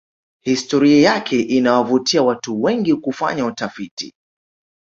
historia yake inawavutia watu wengi kufanya utafiti